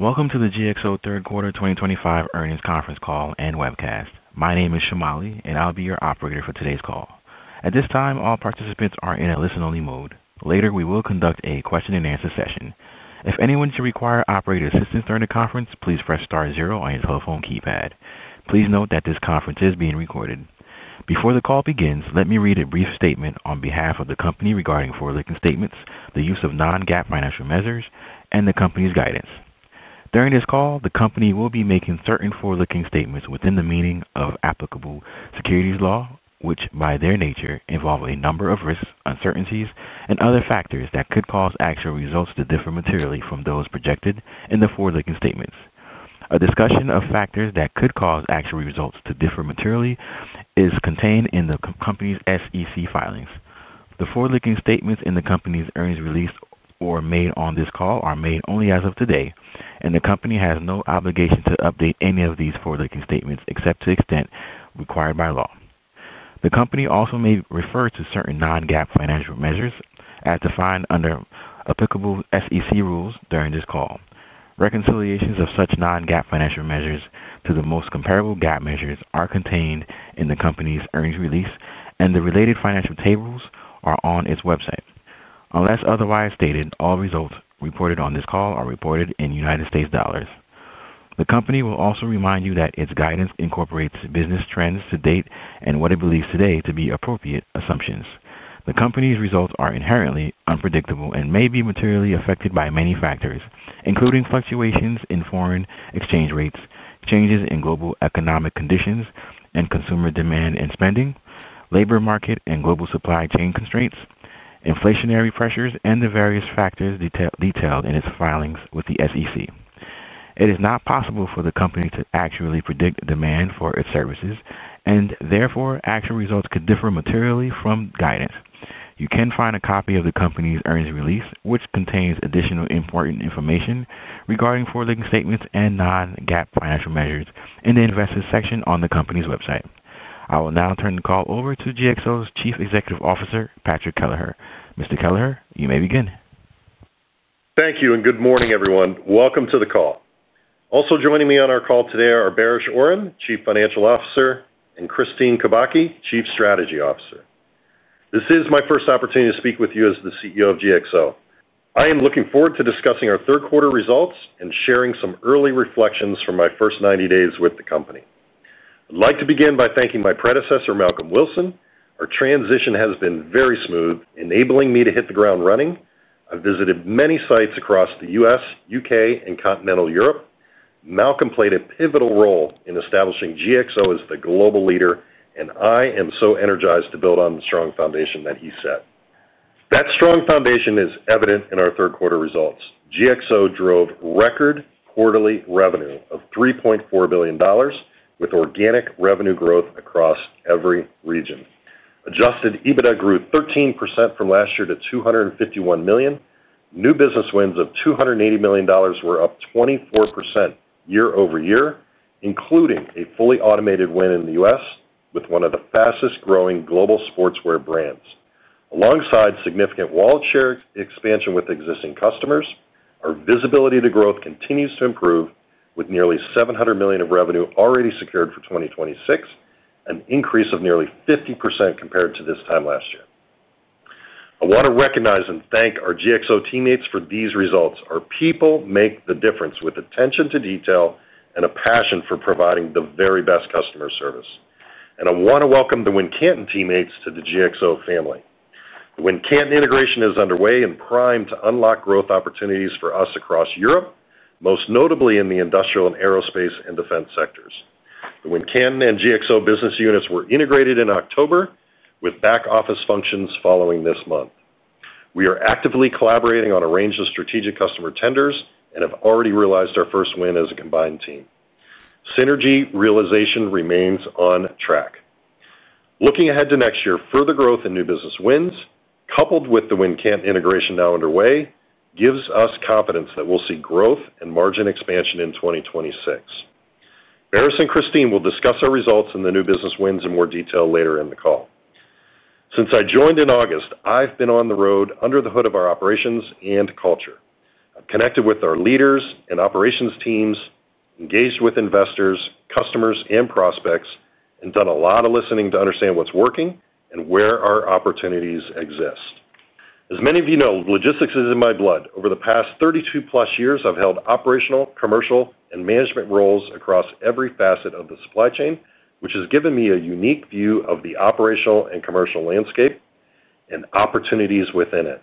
Welcome to the GXO Third Quarter 2025 earnings conference call and webcast. My name is Shomali, and I'll be your operator for today's call. At this time, all participants are in a listen-only mode. Later, we will conduct a question-and-answer session. If anyone should require operator assistance during the conference, please press star zero on your telephone keypad. Please note that this conference is being recorded. Before the call begins, let me read a brief statement on behalf of the company regarding forward-looking statements, the use of non-GAAP financial measures, and the company's guidance. During this call, the company will be making certain forward-looking statements within the meaning of applicable securities law, which, by their nature, involve a number of risks, uncertainties, and other factors that could cause actual results to differ materially from those projected in the forward-looking statements. A discussion of factors that could cause actual results to differ materially is contained in the company's SEC filings. The forward-looking statements in the company's earnings release or made on this call are made only as of today, and the company has no obligation to update any of these forward-looking statements except to the extent required by law. The company also may refer to certain non-GAAP financial measures as defined under applicable SEC rules during this call. Reconciliations of such non-GAAP financial measures to the most comparable GAAP measures are contained in the company's earnings release, and the related financial tables are on its website. Unless otherwise stated, all results reported on this call are reported in United States dollars. The company will also remind you that its guidance incorporates business trends to date and what it believes today to be appropriate assumptions. The company's results are inherently unpredictable and may be materially affected by many factors, including fluctuations in foreign exchange rates, changes in global economic conditions and consumer demand and spending, labor market and global supply chain constraints, inflationary pressures, and the various factors detailed in its filings with the SEC. It is not possible for the company to accurately predict demand for its services, and therefore, actual results could differ materially from guidance. You can find a copy of the company's earnings release, which contains additional important information regarding forward-looking statements and non-GAAP financial measures, in the investors' section on the company's website. I will now turn the call over to GXO's Chief Executive Officer, Patrick Kelleher. Mr. Kelleher, you may begin. Thank you, and good morning, everyone. Welcome to the call. Also joining me on our call today are Baris Oran, Chief Financial Officer, and Kristine Kubacki, Chief Strategy Officer. This is my first opportunity to speak with you as the CEO of GXO. I am looking forward to discussing our third-quarter results and sharing some early reflections from my first 90 days with the company. I'd like to begin by thanking my predecessor, Malcolm Wilson. Our transition has been very smooth, enabling me to hit the ground running. I've visited many sites across the US, U.K., and continental Europe. Malcolm played a pivotal role in establishing GXO as the global leader, and I am so energized to build on the strong foundation that he set. That strong foundation is evident in our third-quarter results. GXO drove record quarterly revenue of $3.4 billion, with organic revenue growth across every region. Adjusted EBITDA grew 13% from last year to $251 million. New business wins of $280 million were up 24% year-over-year, including a fully automated win in the US with one of the fastest-growing global sportswear brands. Alongside significant wallet share expansion with existing customers, our visibility to growth continues to improve, with nearly $700 million of revenue already secured for 2026, an increase of nearly 50% compared to this time last year. I want to recognize and thank our GXO teammates for these results. Our people make the difference with attention to detail and a passion for providing the very best customer service. I want to welcome the Wincanton teammates to the GXO family. The Wincanton integration is underway and primed to unlock growth opportunities for us across Europe, most notably in the industrial, aerospace, and defense sectors. The Wincanton and GXO business units were integrated in October, with back-office functions following this month. We are actively collaborating on a range of strategic customer tenders and have already realized our first win as a combined team. Synergy realization remains on track. Looking ahead to next year, further growth and new business wins, coupled with the Wincanton integration now underway, gives us confidence that we'll see growth and margin expansion in 2026. Baris and Kristine will discuss our results and the new business wins in more detail later in the call. Since I joined in August, I've been on the road under the hood of our operations and culture. I've connected with our leaders and operations teams, engaged with investors, customers, and prospects, and done a lot of listening to understand what's working and where our opportunities exist. As many of you know, logistics is in my blood. Over the past 32-plus years, I've held operational, commercial, and management roles across every facet of the supply chain, which has given me a unique view of the operational and commercial landscape and opportunities within it.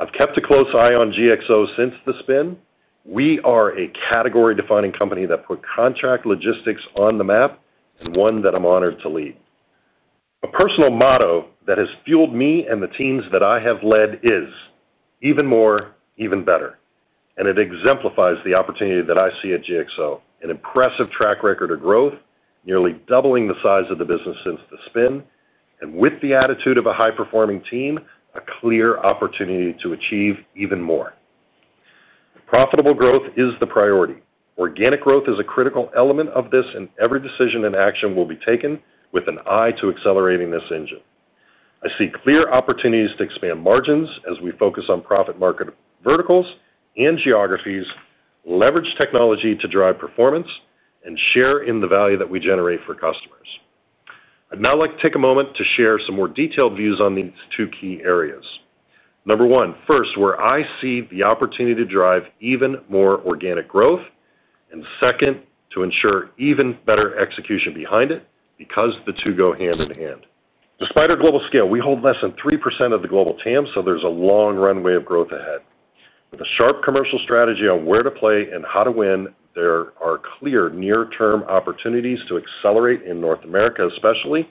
I've kept a close eye on GXO since the spin. We are a category-defining company that put contract logistics on the map and one that I'm honored to lead. A personal motto that has fueled me and the teams that I have led is, "Even more, even better," and it exemplifies the opportunity that I see at GXO: an impressive track record of growth, nearly doubling the size of the business since the spin, and with the attitude of a high-performing team, a clear opportunity to achieve even more. Profitable growth is the priority. Organic growth is a critical element of this, and every decision and action will be taken with an eye to accelerating this engine. I see clear opportunities to expand margins as we focus on profit market verticals and geographies, leverage technology to drive performance, and share in the value that we generate for customers. I'd now like to take a moment to share some more detailed views on these two key areas. Number one, first, where I see the opportunity to drive even more organic growth, and second, to ensure even better execution behind it because the two go hand in hand. Despite our global scale, we hold less than 3% of the global TAM, so there's a long runway of growth ahead. With a sharp commercial strategy on where to play and how to win, there are clear near-term opportunities to accelerate in North America especially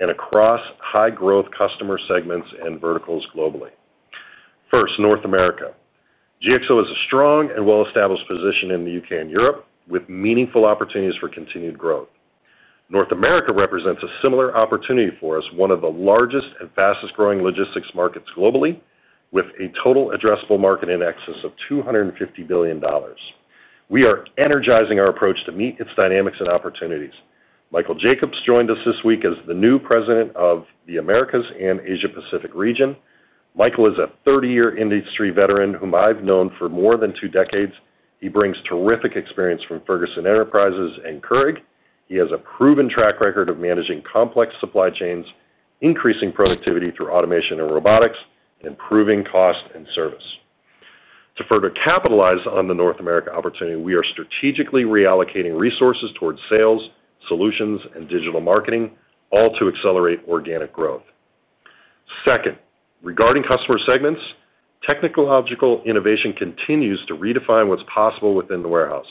and across high-growth customer segments and verticals globally. First, North America. GXO has a strong and well-established position in the U.K. and Europe, with meaningful opportunities for continued growth. North America represents a similar opportunity for us, one of the largest and fastest-growing logistics markets globally, with a total addressable market in excess of $250 billion. We are energizing our approach to meet its dynamics and opportunities. Michael Jacobs joined us this week as the new President of the Americas and Asia-Pacific region. Michael is a 30-year industry veteran whom I've known for more than two decades. He brings terrific experience from Ferguson Enterprises and Keurig. He has a proven track record of managing complex supply chains, increasing productivity through automation and robotics, and improving cost and service. To further capitalize on the North America opportunity, we are strategically reallocating resources towards sales, solutions, and digital marketing, all to accelerate organic growth. Second, regarding customer segments, technological innovation continues to redefine what is possible within the warehouse.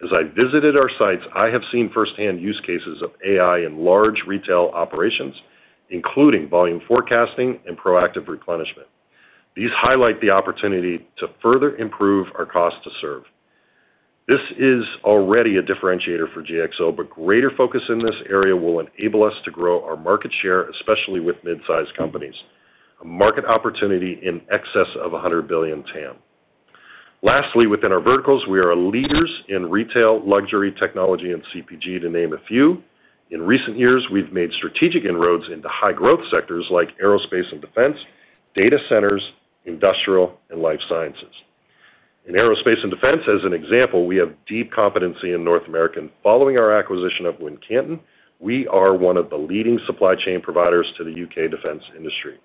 As I visited our sites, I have seen firsthand use cases of AI in large retail operations, including volume forecasting and proactive replenishment. These highlight the opportunity to further improve our cost to serve. This is already a differentiator for GXO, but greater focus in this area will enable us to grow our market share, especially with mid-sized companies. A market opportunity in excess of $100 billion TAM. Lastly, within our verticals, we are leaders in retail, luxury, technology, and CPG, to name a few. In recent years, we've made strategic inroads into high-growth sectors like aerospace and defense, data centers, industrial, and life sciences. In aerospace and defense, as an example, we have deep competency in North America. Following our acquisition of Wincanton, we are one of the leading supply chain providers to the U.K. defense industry.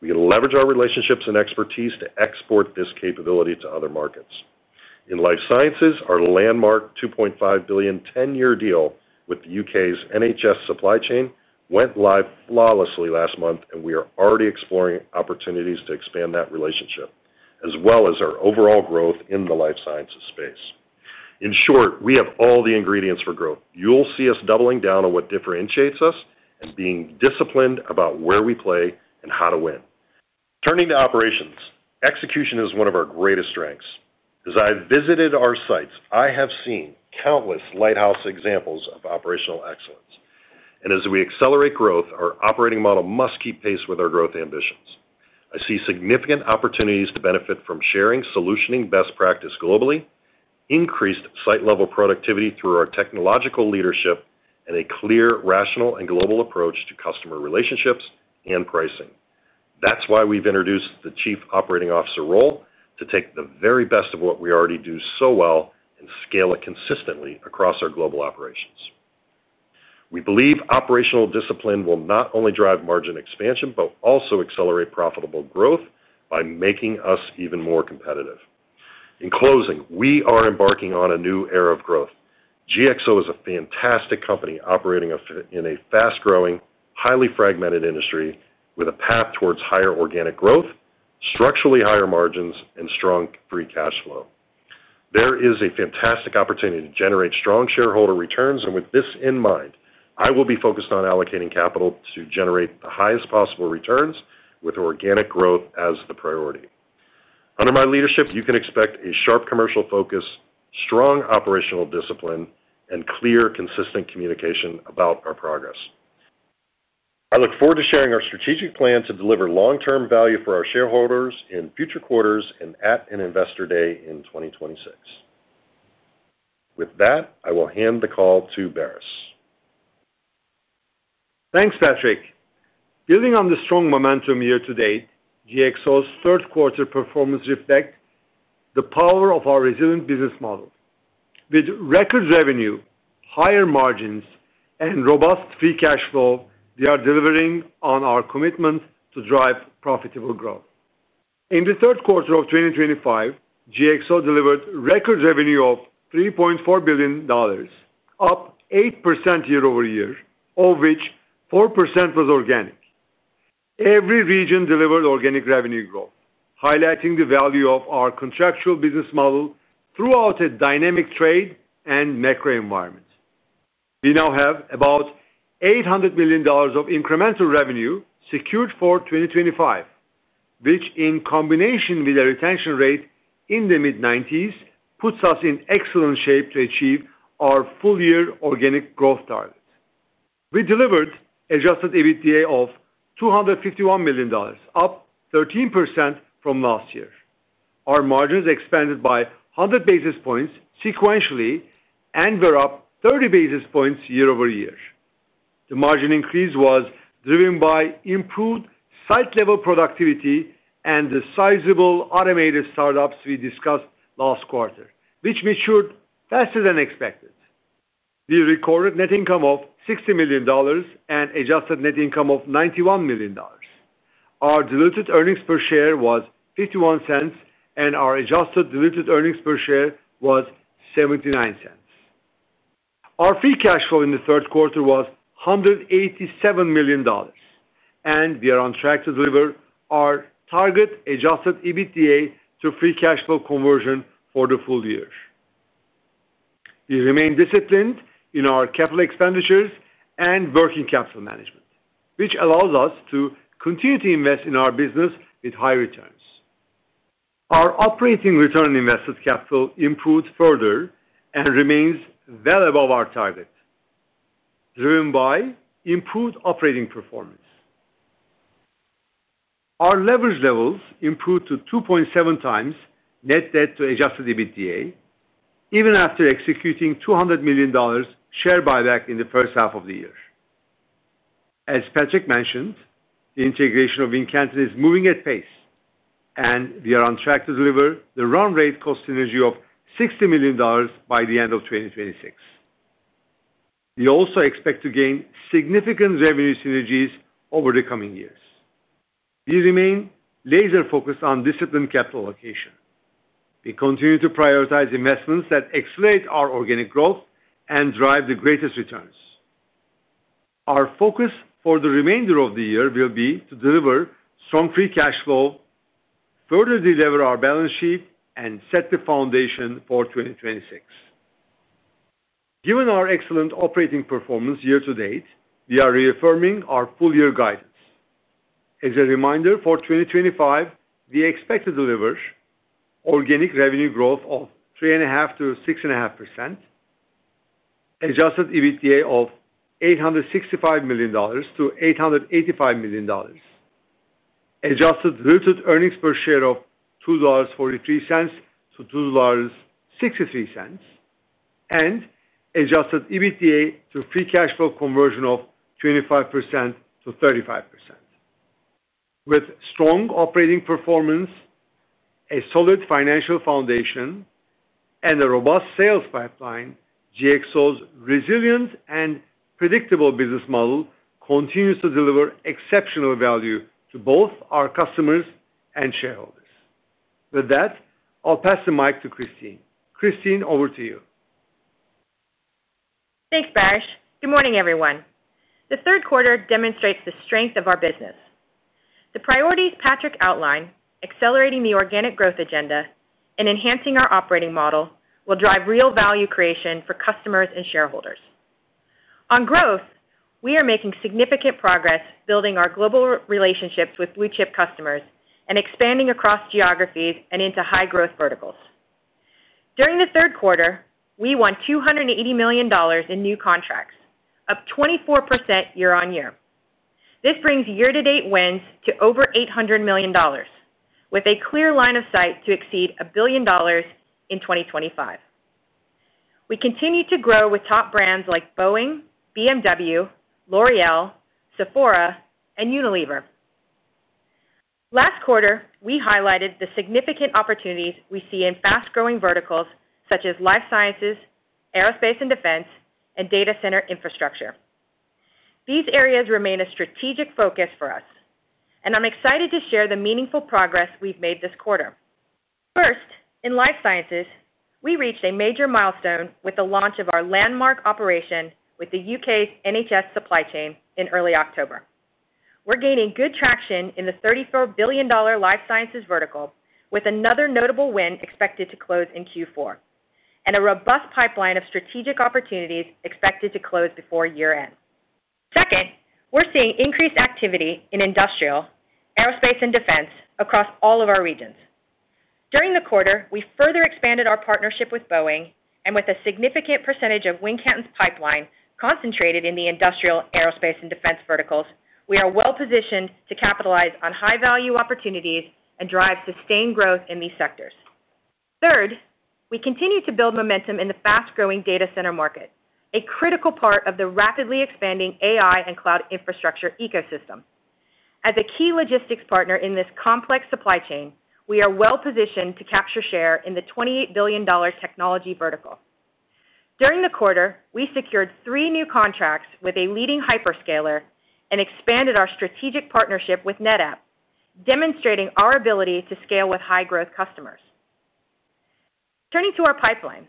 We can leverage our relationships and expertise to export this capability to other markets. In life sciences, our landmark $2.5 billion 10-year deal with the U.K.'s NHS Supply Chain went live flawlessly last month, and we are already exploring opportunities to expand that relationship, as well as our overall growth in the life sciences space. In short, we have all the ingredients for growth. You'll see us doubling down on what differentiates us and being disciplined about where we play and how to win. Turning to operations, execution is one of our greatest strengths. As I've visited our sites, I have seen countless lighthouse examples of operational excellence. As we accelerate growth, our operating model must keep pace with our growth ambitions. I see significant opportunities to benefit from sharing, solutioning best practice globally, increased site-level productivity through our technological leadership, and a clear, rational, and global approach to customer relationships and pricing. That is why we've introduced the Chief Operating Officer role to take the very best of what we already do so well and scale it consistently across our global operations. We believe operational discipline will not only drive margin expansion but also accelerate profitable growth by making us even more competitive. In closing, we are embarking on a new era of growth. GXO is a fantastic company operating in a fast-growing, highly fragmented industry with a path towards higher organic growth, structurally higher margins, and strong free cash flow. There is a fantastic opportunity to generate strong shareholder returns, and with this in mind, I will be focused on allocating capital to generate the highest possible returns with organic growth as the priority. Under my leadership, you can expect a sharp commercial focus, strong operational discipline, and clear, consistent communication about our progress. I look forward to sharing our strategic plan to deliver long-term value for our shareholders in future quarters and at an Investor Day in 2026. With that, I will hand the call to Baris. Thanks, Patrick. Building on the strong momentum year to date, GXO's third-quarter performance reflects the power of our resilient business model. With record revenue, higher margins, and robust free cash flow, we are delivering on our commitment to drive profitable growth. In the third quarter of 2025, GXO delivered record revenue of $3.4 billion, up 8% year-over-year, of which 4% was organic. Every region delivered organic revenue growth, highlighting the value of our contractual business model throughout a dynamic trade and macro environment. We now have about $800 million of incremental revenue secured for 2025, which, in combination with a retention rate in the mid-90s, puts us in excellent shape to achieve our full-year organic growth target. We delivered adjusted EBITDA of $251 million, up 13% from last year. Our margins expanded by 100 basis points sequentially and were up 30 basis points year-over-year. The margin increase was driven by improved site-level productivity and the sizable automated startups we discussed last quarter, which matured faster than expected. We recorded net income of $60 million and adjusted net income of $91 million. Our diluted earnings per share was $0.51, and our adjusted diluted earnings per share was $0.79. Our free cash flow in the third quarter was $187 million, and we are on track to deliver our target adjusted EBITDA to free cash flow conversion for the full year. We remain disciplined in our capital expenditures and working capital management, which allows us to continue to invest in our business with high returns. Our operating return on invested capital improved further and remains well above our target, driven by improved operating performance. Our leverage levels improved to 2.7x net debt to adjusted EBITDA, even after executing $200 million share buyback in the first half of the year. As Patrick mentioned, the integration of Wincanton is moving at pace, and we are on track to deliver the run-rate cost synergy of $60 million by the end of 2026. We also expect to gain significant revenue synergies over the coming years. We remain laser-focused on disciplined capital allocation. We continue to prioritize investments that accelerate our organic growth and drive the greatest returns. Our focus for the remainder of the year will be to deliver strong free cash flow, further deliver our balance sheet and set the foundation for 2026. Given our excellent operating performance year to date, we are reaffirming our full-year guidance. As a reminder for 2025, we expect to deliver organic revenue growth of 3.5%-6.5%. Adjusted EBITDA of $865 million-$885 million. Adjusted diluted earnings per share of $2.43-$2.63. Adjusted EBITDA to free cash flow conversion of 25%-35%. With strong operating performance, a solid financial foundation, and a robust sales pipeline, GXO's resilient and predictable business model continues to deliver exceptional value to both our customers and shareholders. With that, I'll pass the mic to Kristine. Kristine, over to you. Thanks, Baris. Good morning, everyone. The third quarter demonstrates the strength of our business. The priorities Patrick outlined, accelerating the organic growth agenda and enhancing our operating model, will drive real value creation for customers and shareholders. On growth, we are making significant progress building our global relationships with blue-chip customers and expanding across geographies and into high-growth verticals. During the third quarter, we won $280 million in new contracts, up 24% year on year. This brings year-to-date wins to over $800 million, with a clear line of sight to exceed $1 billion in 2025. We continue to grow with top brands like Boeing, BMW, L'Oreal, Sephora, and Unilever. Last quarter, we highlighted the significant opportunities we see in fast-growing verticals such as life sciences, aerospace and defense, and data center infrastructure. These areas remain a strategic focus for us, and I'm excited to share the meaningful progress we've made this quarter. First, in life sciences, we reached a major milestone with the launch of our landmark operation with the U.K.'s NHS Supply Chain in early October. We're gaining good traction in the $34 billion life sciences vertical, with another notable win expected to close in Q4 and a robust pipeline of strategic opportunities expected to close before year-end. Second, we're seeing increased activity in industrial, aerospace, and defense across all of our regions. During the quarter, we further expanded our partnership with Boeing, and with a significant percentage of Wincanton's pipeline concentrated in the industrial, aerospace, and defense verticals, we are well-positioned to capitalize on high-value opportunities and drive sustained growth in these sectors. Third, we continue to build momentum in the fast-growing data center market, a critical part of the rapidly expanding AI and cloud infrastructure ecosystem. As a key logistics partner in this complex supply chain, we are well-positioned to capture share in the $28 billion technology vertical. During the quarter, we secured three new contracts with a leading hyperscaler and expanded our strategic partnership with NetApp, demonstrating our ability to scale with high-growth customers. Turning to our pipeline,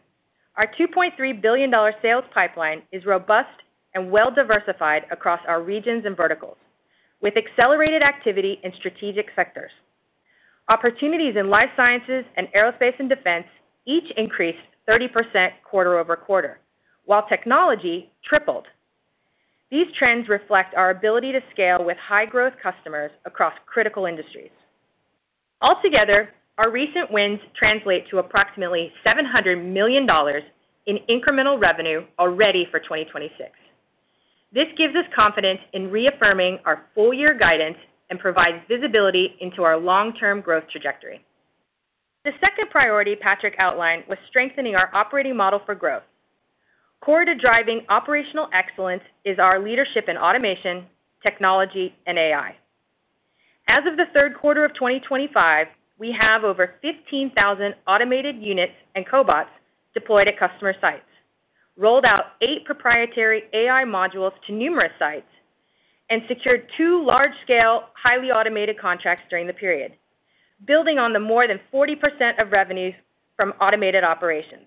our $2.3 billion sales pipeline is robust and well-diversified across our regions and verticals, with accelerated activity in strategic sectors. Opportunities in life sciences and aerospace and defense each increased 30% quarter-over-quarter, while technology tripled. These trends reflect our ability to scale with high-growth customers across critical industries. Altogether, our recent wins translate to approximately $700 million in incremental revenue already for 2026. This gives us confidence in reaffirming our full-year guidance and provides visibility into our long-term growth trajectory. The second priority Patrick outlined was strengthening our operating model for growth. Core to driving operational excellence is our leadership in automation, technology, and AI. As of the third quarter of 2025, we have over 15,000 automated units and cobots deployed at customer sites, rolled out eight proprietary AI modules to numerous sites, and secured two large-scale, highly automated contracts during the period, building on the more than 40% of revenues from automated operations.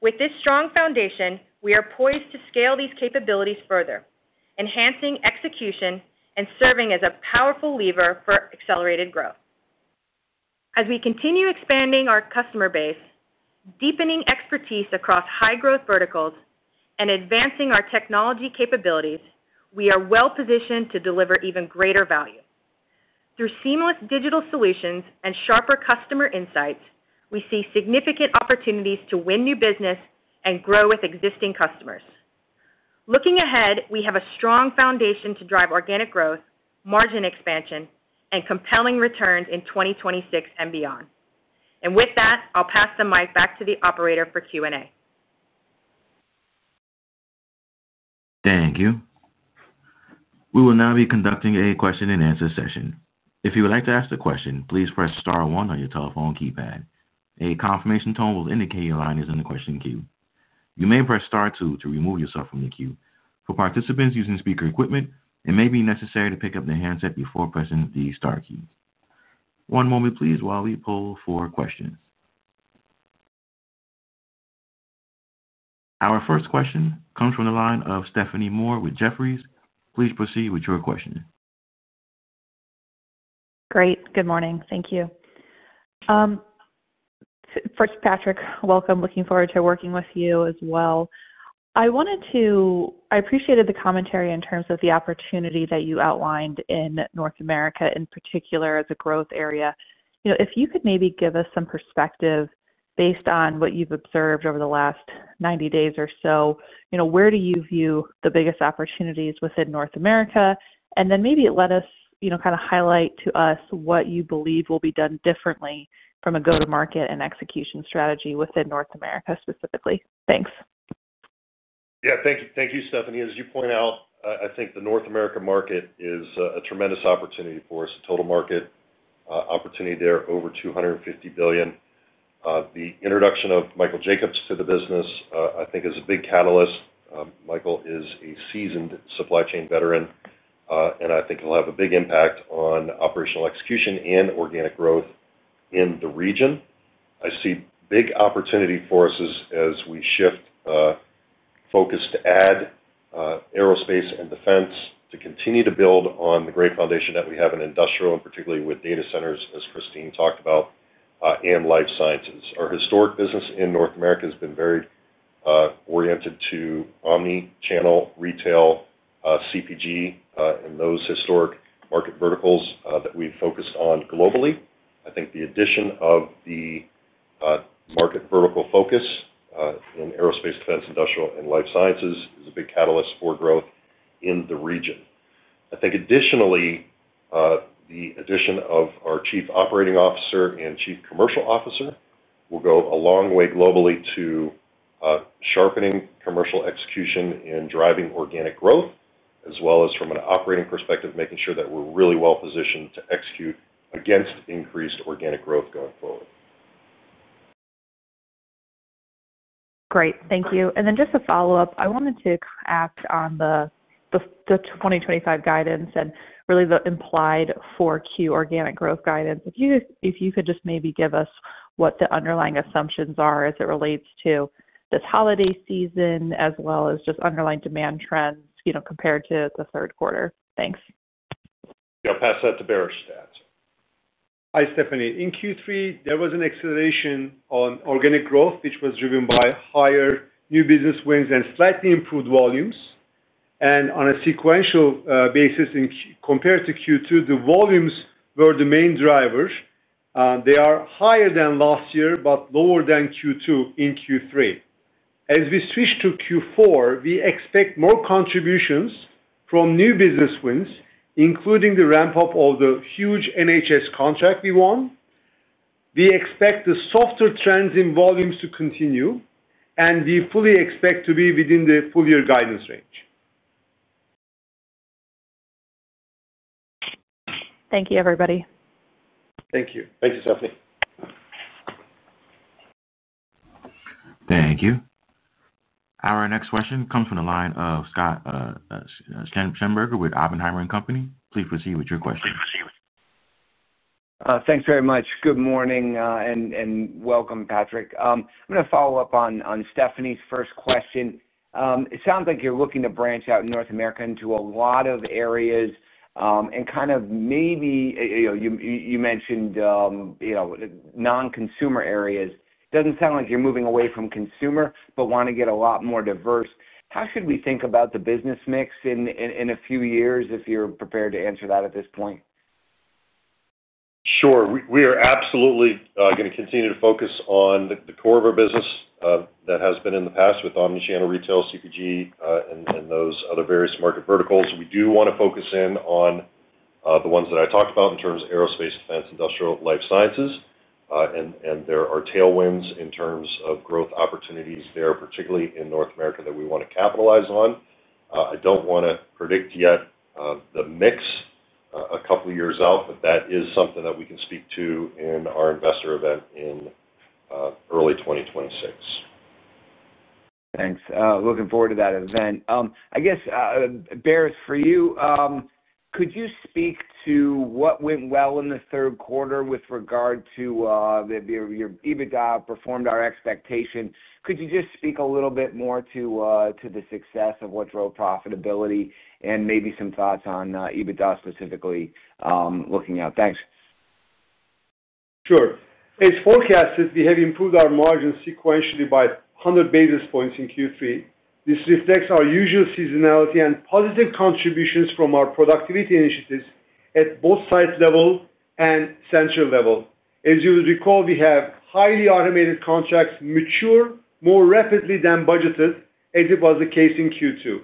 With this strong foundation, we are poised to scale these capabilities further, enhancing execution and serving as a powerful lever for accelerated growth. As we continue expanding our customer base, deepening expertise across high-growth verticals, and advancing our technology capabilities, we are well-positioned to deliver even greater value. Through seamless digital solutions and sharper customer insights, we see significant opportunities to win new business and grow with existing customers. Looking ahead, we have a strong foundation to drive organic growth, margin expansion, and compelling returns in 2026 and beyond. I will pass the mic back to the operator for Q&A. Thank you. We will now be conducting a question-and-answer session. If you would like to ask a question, please press star one on your telephone keypad. A confirmation tone will indicate your line is in the question queue. You may press star two to remove yourself from the queue. For participants using speaker equipment, it may be necessary to pick up the handset before pressing the star key. One moment, please, while we pull for questions. Our first question comes from the line of Stephanie Moore with Jefferies. Please proceed with your question. Great. Good morning. Thank you. First, Patrick, welcome. Looking forward to working with you as well. I appreciated the commentary in terms of the opportunity that you outlined in North America, in particular as a growth area. If you could maybe give us some perspective based on what you've observed over the last 90 days or so, where do you view the biggest opportunities within North America? Maybe let us kind of highlight to us what you believe will be done differently from a go-to-market and execution strategy within North America specifically. Thanks. Yeah, thank you, Stephanie. As you point out, I think the North America market is a tremendous opportunity for us, a total market opportunity there over $250 billion. The introduction of Michael Jacobs to the business, I think, is a big catalyst. Michael is a seasoned supply chain veteran, and I think he'll have a big impact on operational execution and organic growth in the region. I see big opportunity for us as we shift focus to add aerospace and defense to continue to build on the great foundation that we have in industrial, and particularly with data centers, as Kristine talked about, and life sciences. Our historic business in North America has been very oriented to omnichannel retail, CPG, and those historic market verticals that we've focused on globally. I think the addition of the market vertical focus in aerospace, defense, industrial, and life sciences is a big catalyst for growth in the region. I think additionally, the addition of our Chief Operating Officer and Chief Commercial Officer will go a long way globally to sharpening commercial execution and driving organic growth, as well as from an operating perspective, making sure that we're really well-positioned to execute against increased organic growth going forward. Great. Thank you. Just to follow up, I wanted to act on the 2025 guidance and really the implied 4Q organic growth guidance. If you could just maybe give us what the underlying assumptions are as it relates to this holiday season, as well as just underlying demand trends compared to the third quarter. Thanks. I'll pass that to Baris to add. Hi, Stephanie. In Q3, there was an acceleration on organic growth, which was driven by higher new business wins and slightly improved volumes. On a sequential basis, compared to Q2, the volumes were the main drivers. They are higher than last year, but lower than Q2 in Q3. As we switch to Q4, we expect more contributions from new business wins, including the ramp-up of the huge NHS contract we won. We expect the softer trends in volumes to continue, and we fully expect to be within the full-year guidance range. Thank you, everybody. Thank you. Thank you, Stephanie. Thank you. Our next question comes from the line of Scott Schneeberger with Oppenheimer and Company. Please proceed with your question. Thanks very much. Good morning and welcome, Patrick. I'm going to follow up on Stephanie's first question. It sounds like you're looking to branch out in North America into a lot of areas and kind of maybe. You mentioned non-consumer areas. It doesn't sound like you're moving away from consumer, but want to get a lot more diverse. How should we think about the business mix in a few years if you're prepared to answer that at this point? Sure. We are absolutely going to continue to focus on the core of our business that has been in the past with omnichannel retail, CPG, and those other various market verticals. We do want to focus in on the ones that I talked about in terms of aerospace, defense, industrial, life sciences. And there are tailwinds in terms of growth opportunities there, particularly in North America, that we want to capitalize on. I do not want to predict yet the mix a couple of years out, but that is something that we can speak to in our investor event in early 2026. Thanks. Looking forward to that event. I guess. Baris, for you. Could you speak to what went well in the third quarter with regard to your EBITDA performed our expectation? Could you just speak a little bit more to the success of what drove profitability and maybe some thoughts on EBITDA specifically looking out? Thanks. Sure. As forecasted, we have improved our margin sequentially by 100 basis points in Q3. This reflects our usual seasonality and positive contributions from our productivity initiatives at both site level and central level. As you will recall, we have highly automated contracts mature more rapidly than budgeted, as it was the case in Q2.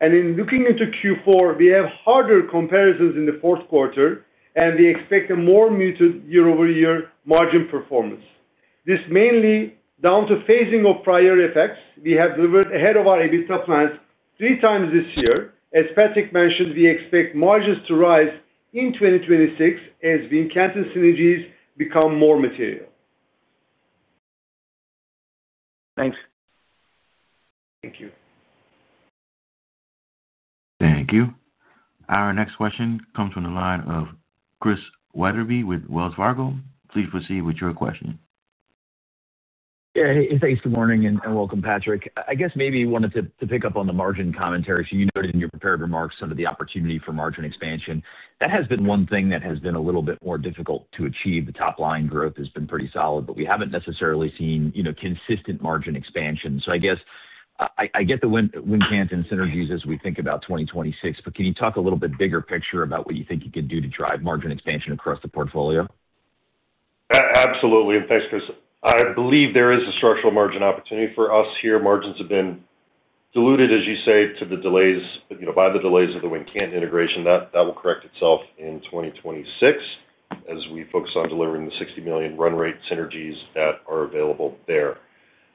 In looking into Q4, we have harder comparisons in the fourth quarter, and we expect a more muted year-over-year margin performance. This is mainly down to phasing of prior effects. We have delivered ahead of our EBITDA plans three times this year. As Patrick mentioned, we expect margins to rise in 2026 as Wincanton synergies become more material. Thanks. Thank you. Thank you. Our next question comes from the line of Chris Wetherbee with Wells Fargo. Please proceed with your question. Yeah. Hey, thanks for the morning and welcome, Patrick. I guess maybe you wanted to pick up on the margin commentary. You noted in your prepared remarks some of the opportunity for margin expansion. That has been one thing that has been a little bit more difficult to achieve. The top-line growth has been pretty solid, but we have not necessarily seen consistent margin expansion. I get the Wincanton synergies as we think about 2026, but can you talk a little bit bigger picture about what you think you can do to drive margin expansion across the portfolio? Absolutely. Thanks, Chris. I believe there is a structural margin opportunity for us here. Margins have been diluted, as you say, by the delays of the Wincanton integration. That will correct itself in 2026 as we focus on delivering the $60 million run rate synergies that are available there.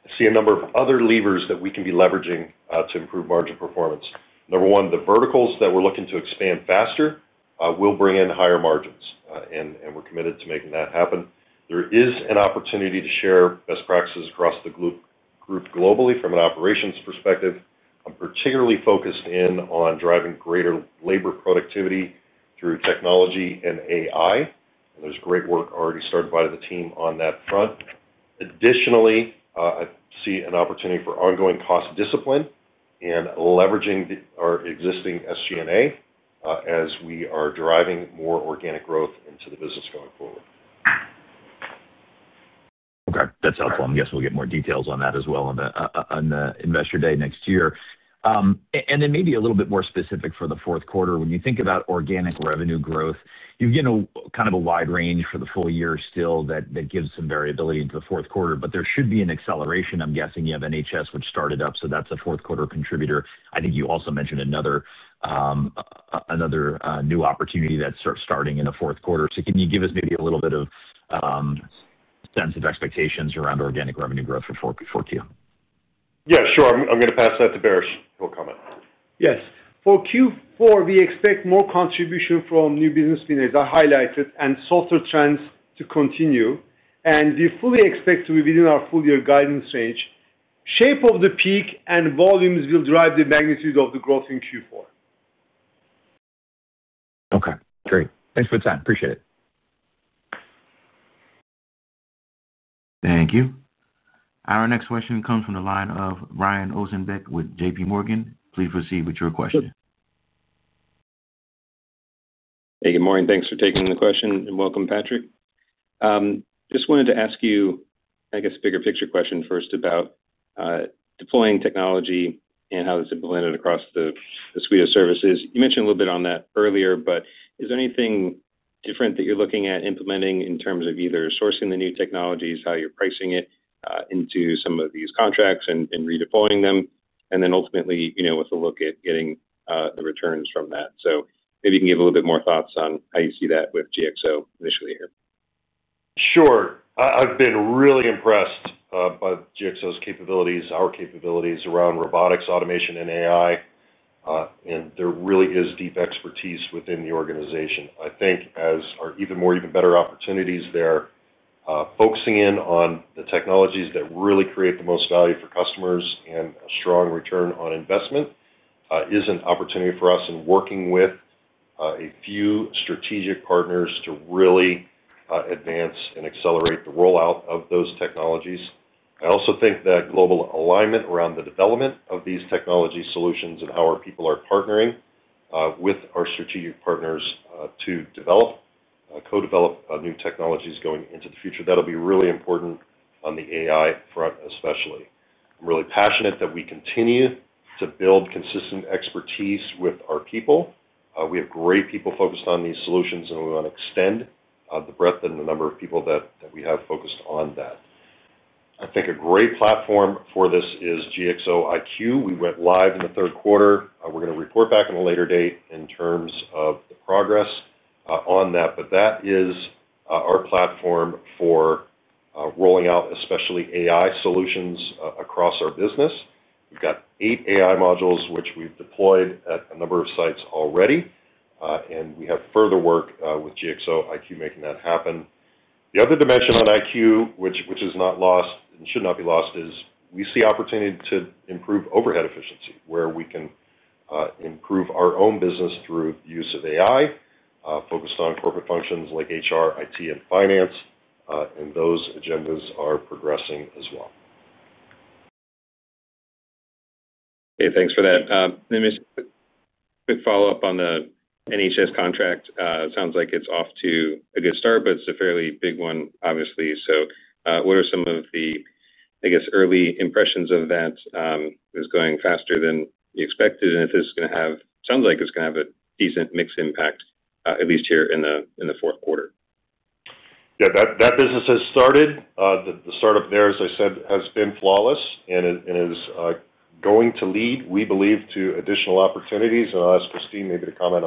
I see a number of other levers that we can be leveraging to improve margin performance. Number one, the verticals that we're looking to expand faster will bring in higher margins, and we're committed to making that happen. There is an opportunity to share best practices across the group globally from an operations perspective. I'm particularly focused in on driving greater labor productivity through technology and AI. There's great work already started by the team on that front. Additionally, I see an opportunity for ongoing cost discipline and leveraging our existing SG&A as we are driving more organic growth into the business going forward. Okay. That's helpful. I guess we'll get more details on that as well on the Investor Day next year. Then maybe a little bit more specific for the fourth quarter. When you think about organic revenue growth, you've got kind of a wide range for the full year still that gives some variability into the fourth quarter, but there should be an acceleration. I'm guessing you have NHS, which started up, so that's a fourth-quarter contributor. I think you also mentioned another new opportunity that's starting in the fourth quarter. Can you give us maybe a little bit of sense of expectations around organic revenue growth for 4Q? Yeah, sure. I'm going to pass that to Baris, who will comment. Yes. For Q4, we expect more contribution from new business winners, as I highlighted, and softer trends to continue. We fully expect to be within our full-year guidance range. The shape of the peak and volumes will drive the magnitude of the growth in Q4. Okay. Great. Thanks for the time. Appreciate it. Thank you. Our next question comes from the line of Brian Ossenbeck with JPMorgan. Please proceed with your question. Hey, good morning. Thanks for taking the question and welcome, Patrick. Just wanted to ask you, I guess, a bigger picture question first about deploying technology and how it's implemented across the suite of services. You mentioned a little bit on that earlier, but is there anything different that you're looking at implementing in terms of either sourcing the new technologies, how you're pricing it into some of these contracts and redeploying them, and then ultimately with a look at getting the returns from that? Maybe you can give a little bit more thoughts on how you see that with GXO initially here. Sure. I've been really impressed by GXO's capabilities, our capabilities around robotics, automation, and AI. There really is deep expertise within the organization. I think there are even more, even better opportunities there, focusing in on the technologies that really create the most value for customers and a strong return on investment is an opportunity for us in working with a few strategic partners to really advance and accelerate the rollout of those technologies. I also think that global alignment around the development of these technology solutions and how our people are partnering with our strategic partners to develop, co-develop new technologies going into the future, that'll be really important on the AI front especially. I'm really passionate that we continue to build consistent expertise with our people. We have great people focused on these solutions, and we want to extend the breadth and the number of people that we have focused on that. I think a great platform for this is GXO IQ. We went live in the third quarter. We are going to report back at a later date in terms of the progress on that, but that is our platform for rolling out especially AI solutions across our business. We have eight AI modules, which we have deployed at a number of sites already. We have further work with GXO IQ making that happen. The other dimension on IQ, which is not lost and should not be lost, is we see opportunity to improve overhead efficiency where we can improve our own business through the use of AI, focused on corporate functions like HR, IT, and finance. Those agendas are progressing as well. Hey, thanks for that. There is a quick follow-up on the NHS contract. It sounds like it's off to a good start, but it's a fairly big one, obviously. What are some of the, I guess, early impressions of that? It's going faster than you expected. It sounds like it's going to have a decent mixed impact, at least here in the fourth quarter. Yeah, that business has started. The startup there, as I said, has been flawless and is going to lead, we believe, to additional opportunities. I'll ask Kristine maybe to comment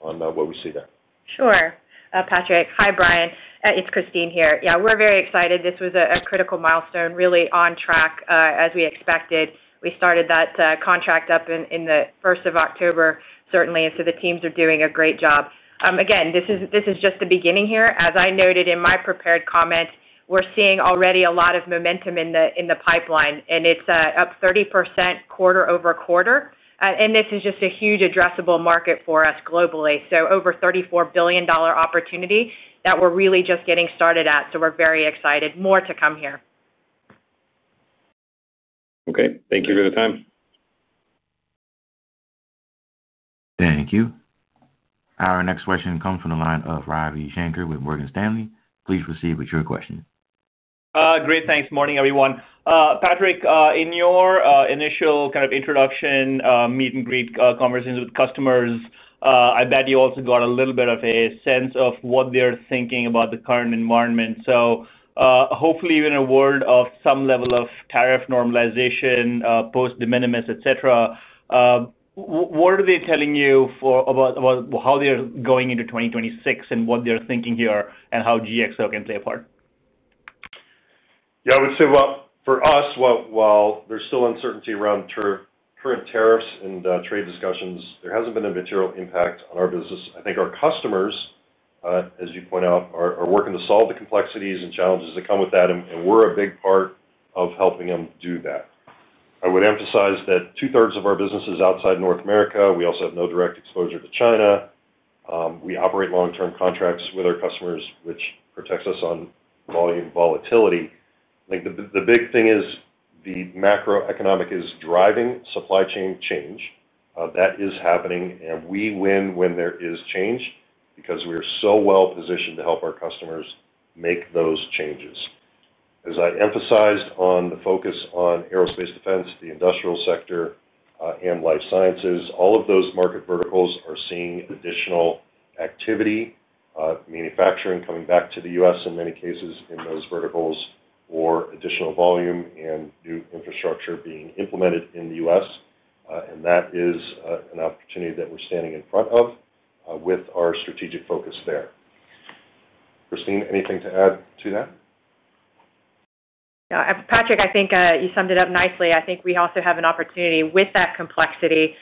on what we see there. Sure. Patrick, hi, Brian. It's Kristine here. Yeah, we're very excited. This was a critical milestone, really on track as we expected. We started that contract up in the first of October, certainly. The teams are doing a great job. Again, this is just the beginning here. As I noted in my prepared comment, we're seeing already a lot of momentum in the pipeline, and it's up 30% quarter-over-quarter. This is just a huge addressable market for us globally. Over $34 billion opportunity that we're really just getting started at. We're very excited. More to come here. Okay. Thank you for the time. Thank you. Our next question comes from the line of Ravi Shankar with Morgan Stanley. Please proceed with your question. Great. Thanks. Morning, everyone. Patrick, in your initial kind of introduction, meet-and-greet conversations with customers, I bet you also got a little bit of a sense of what they're thinking about the current environment. Hopefully, in a world of some level of tariff normalization, post-de minimis, etc. What are they telling you about how they're going into 2026 and what they're thinking here and how GXO can play a part? Yeah, I would say, for us, while there's still uncertainty around current tariffs and trade discussions, there hasn't been a material impact on our business. I think our customers, as you point out, are working to solve the complexities and challenges that come with that, and we're a big part of helping them do that. I would emphasize that two-thirds of our business is outside North America. We also have no direct exposure to China. We operate long-term contracts with our customers, which protects us on volume volatility. I think the big thing is the macroeconomic is driving supply chain change. That is happening, and we win when there is change because we are so well positioned to help our customers make those changes. As I emphasized on the focus on aerospace defense, the industrial sector, and life sciences, all of those market verticals are seeing additional activity, manufacturing coming back to the U.S. in many cases in those verticals, or additional volume and new infrastructure being implemented in the U.S. That is an opportunity that we're standing in front of with our strategic focus there. Kristine, anything to add to that? Patrick, I think you summed it up nicely. I think we also have an opportunity with that complexity,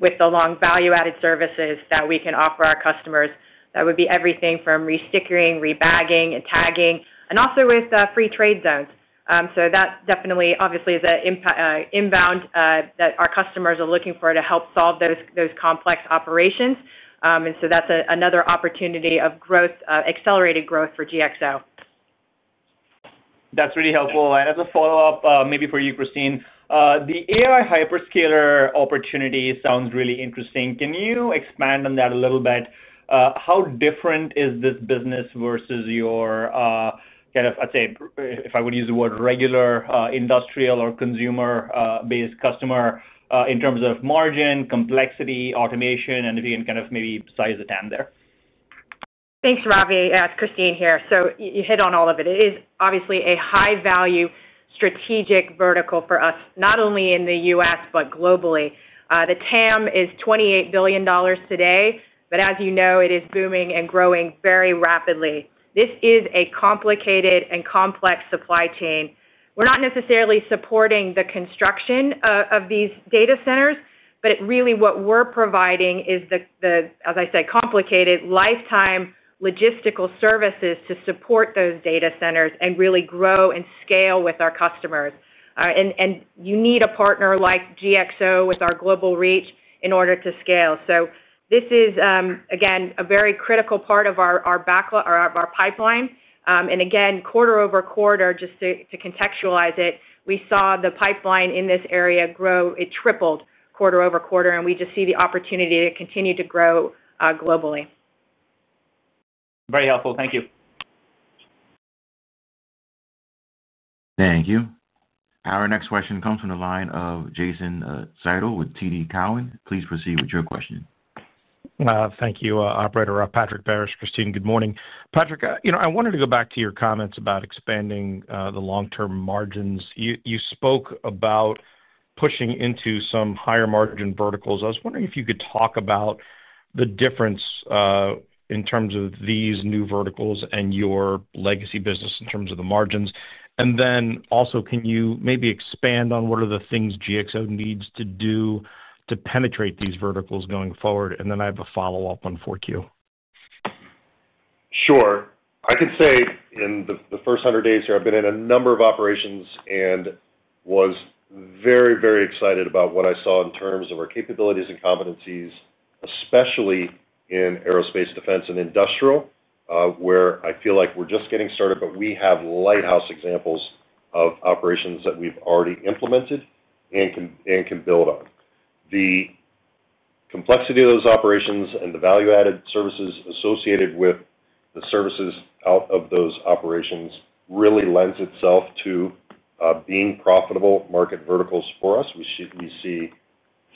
with the long value-added services that we can offer our customers. That would be everything from re-stickering, re-bagging, and tagging, and also with free trade zones. That definitely, obviously, is an inbound that our customers are looking for to help solve those complex operations. That is another opportunity of accelerated growth for GXO. That's really helpful. As a follow-up, maybe for you, Kristine, the AI hyperscaler opportunity sounds really interesting. Can you expand on that a little bit? How different is this business versus your, kind of, I'd say, if I would use the word, regular, industrial or consumer-based customer in terms of margin, complexity, automation, and if you can kind of maybe size the TAM there? Thanks, Ravi. It's Kristine here. You hit on all of it. It is obviously a high-value strategic vertical for us, not only in the U.S., but globally. The TAM is $28 billion today, but as you know, it is booming and growing very rapidly. This is a complicated and complex supply chain. We're not necessarily supporting the construction of these data centers, but really what we're providing is the, as I said, complicated lifetime logistical services to support those data centers and really grow and scale with our customers. You need a partner like GXO with our global reach in order to scale. This is, again, a very critical part of our pipeline. Again, quarter-over-quarter, just to contextualize it, we saw the pipeline in this area grow. It tripled quarter-over-quarter, and we just see the opportunity to continue to grow globally. Very helpful. Thank you. Thank you. Our next question comes from the line of Jason Seidl with TD Cowen. Please proceed with your question. Thank you, Operator. Patrick, Baris, Kristine, good morning. Patrick, I wanted to go back to your comments about expanding the long-term margins. You spoke about pushing into some higher margin verticals. I was wondering if you could talk about the difference in terms of these new verticals and your legacy business in terms of the margins. Also, can you maybe expand on what are the things GXO needs to do to penetrate these verticals going forward? I have a follow-up on 4Q. Sure. I can say in the first 100 days here, I've been in a number of operations and was very, very excited about what I saw in terms of our capabilities and competencies, especially in aerospace defense and industrial, where I feel like we're just getting started, but we have lighthouse examples of operations that we've already implemented and can build on. The complexity of those operations and the value-added services associated with the services out of those operations really lends itself to being profitable market verticals for us. We see,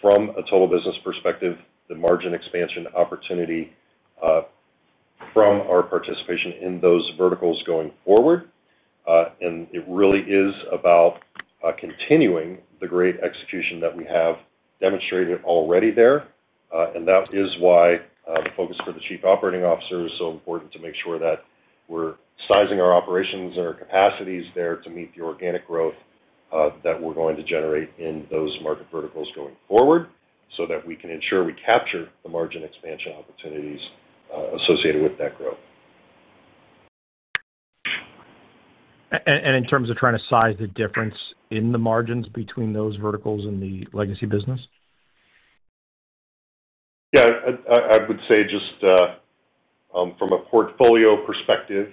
from a total business perspective, the margin expansion opportunity from our participation in those verticals going forward. It really is about continuing the great execution that we have demonstrated already there. That is why the focus for the Chief Operating Officer is so important to make sure that we're sizing our operations and our capacities there to meet the organic growth that we're going to generate in those market verticals going forward so that we can ensure we capture the margin expansion opportunities associated with that growth. In terms of trying to size the difference in the margins between those verticals and the legacy business? Yeah, I would say just from a portfolio perspective,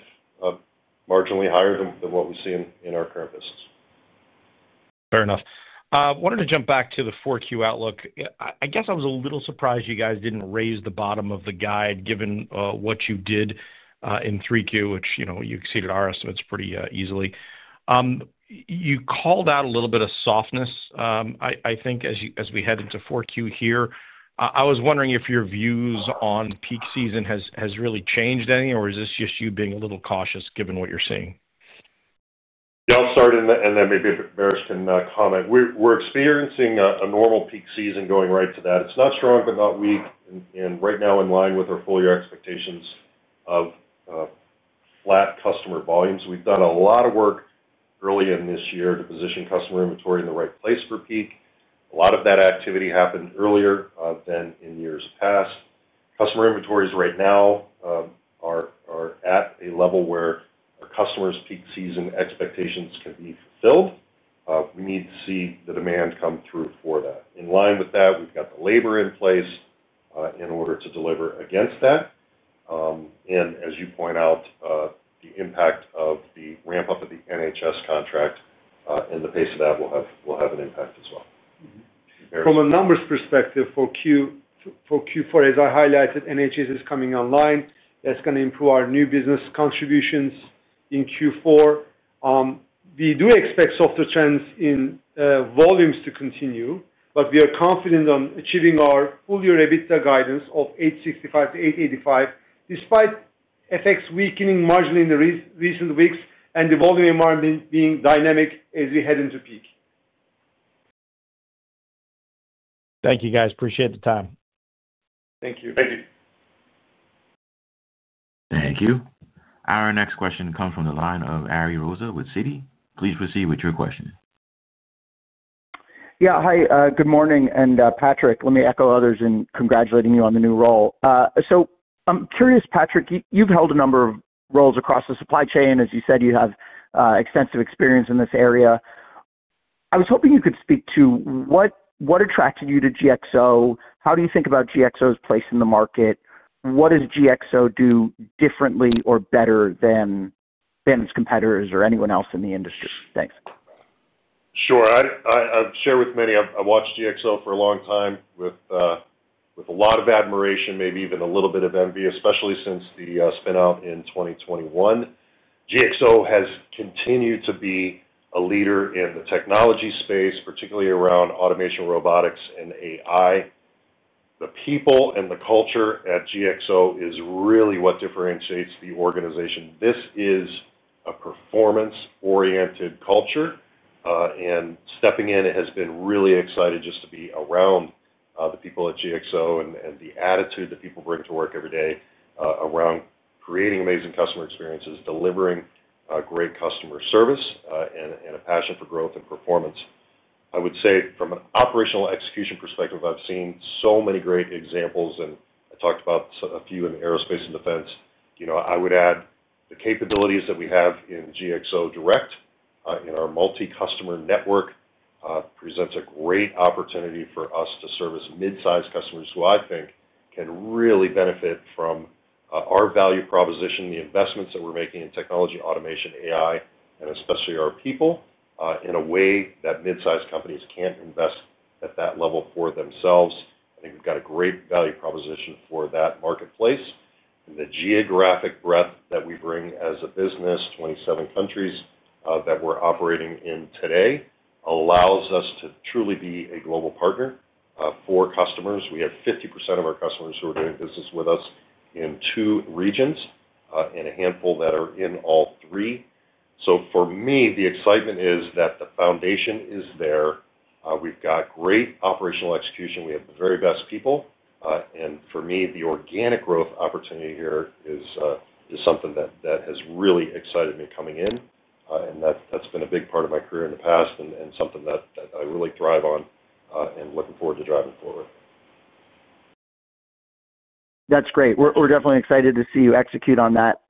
marginally higher than what we see in our current business. Fair enough. I wanted to jump back to the 4Q outlook. I guess I was a little surprised you guys didn't raise the bottom of the guide given what you did in 3Q, which you exceeded our estimates pretty easily. You called out a little bit of softness, I think, as we head into 4Q here. I was wondering if your views on peak season have really changed any, or is this just you being a little cautious given what you're seeing? Yeah, I'll start, and then maybe Baris can comment. We're experiencing a normal peak season going right to that. It's not strong, but not weak. Right now, in line with our full year expectations of flat customer volumes, we've done a lot of work early in this year to position customer inventory in the right place for peak. A lot of that activity happened earlier than in years past. Customer inventories right now are at a level where our customers' peak season expectations can be fulfilled. We need to see the demand come through for that. In line with that, we've got the labor in place in order to deliver against that. As you point out, the impact of the ramp-up of the NHS contract and the pace of that will have an impact as well. From a numbers perspective, for Q4, as I highlighted, NHS is coming online. That's going to improve our new business contributions in Q4. We do expect softer trends in volumes to continue, but we are confident on achieving our full year EBITDA guidance of $865 million-$885 million, despite FX weakening marginally in the recent weeks and the volume environment being dynamic as we head into peak. Thank you, guys. Appreciate the time. Thank you. Thank you. Thank you. Our next question comes from the line of Ari Rosa with Citi. Please proceed with your question. Yeah, hi. Good morning. Patrick, let me echo others in congratulating you on the new role. I'm curious, Patrick, you've held a number of roles across the supply chain. As you said, you have extensive experience in this area. I was hoping you could speak to what attracted you to GXO. How do you think about GXO's place in the market? What does GXO do differently or better than its competitors or anyone else in the industry? Thanks. Sure. I've shared with many. I've watched GXO for a long time with a lot of admiration, maybe even a little bit of envy, especially since the spinout in 2021. GXO has continued to be a leader in the technology space, particularly around automation, robotics, and AI. The people and the culture at GXO is really what differentiates the organization. This is a performance-oriented culture. Stepping in, it has been really exciting just to be around the people at GXO and the attitude that people bring to work every day around creating amazing customer experiences, delivering great customer service, and a passion for growth and performance. I would say, from an operational execution perspective, I've seen so many great examples, and I talked about a few in aerospace and defense. I would add the capabilities that we have in GXO Direct in our multi-customer network presents a great opportunity for us to service mid-sized customers who I think can really benefit from our value proposition, the investments that we're making in technology, automation, AI, and especially our people in a way that mid-sized companies can't invest at that level for themselves. I think we've got a great value proposition for that marketplace. The geographic breadth that we bring as a business, 27 countries that we're operating in today, allows us to truly be a global partner for customers. We have 50% of our customers who are doing business with us in two regions and a handful that are in all three. For me, the excitement is that the foundation is there. We've got great operational execution. We have the very best people. For me, the organic growth opportunity here is something that has really excited me coming in. That's been a big part of my career in the past and something that I really thrive on and looking forward to driving forward. That's great. We're definitely excited to see you execute on that.